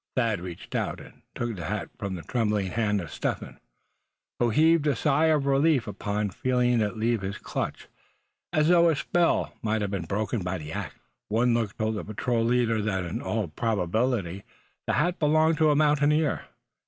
Thad reached out, and took the hat from the trembling hand of Step Hen; who heaved a sigh of relief upon feeling it leave his clutch; as though a spell might have been broken by the act. One look told the patrol leader that in all probability the hat belonged to a mountaineer.